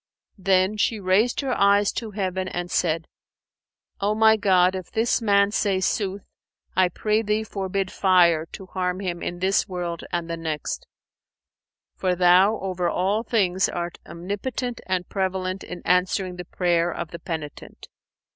Then she raised her eyes to heaven and said, 'O my God, if this man say sooth, I pray Thee forbid fire to harm him in this world and the next, for Thou over all things art Omnipotent and Prevalent in answering the prayer of the penitent!'